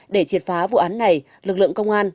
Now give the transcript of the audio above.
để triệt phá vụ án này lực lượng công an